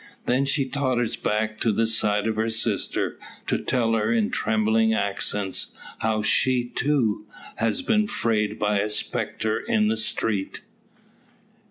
Then she totters back to the side of her sister, to tell in trembling accents, how she, too, had been frayed by a spectre in the street!